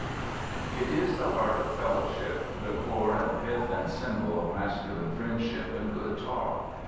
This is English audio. It is the heart of fellowship, the core and pith and symbol of masculine friendship and good talk.